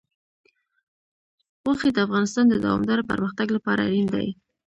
غوښې د افغانستان د دوامداره پرمختګ لپاره اړین دي.